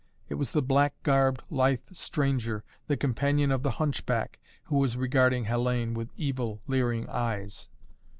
It was the black garbed, lithe stranger, the companion of the hunchback, who was regarding Hellayne with evil, leering eyes.